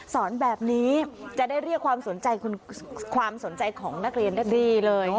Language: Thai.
สอนแบบนี้จะได้เรียกความสนใจความสนใจของนักเรียนได้ดีเลย